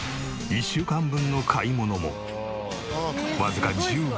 １週間分の買い物もわずか１５分で終了。